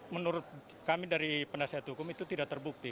menurut kami dari penasihat hukum itu tidak terbukti